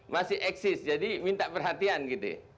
masih eksis jadi minta perhatian gitu